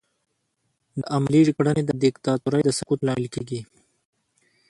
دا عملي کړنې د دیکتاتورۍ د سقوط لامل کیږي.